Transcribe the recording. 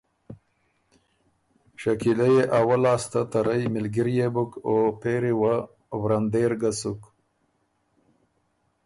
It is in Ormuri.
شکیلۀ يې اول لاسته ته رئ مِلګِريې بُک او پېری ن ورندېر ګۀ سُک۔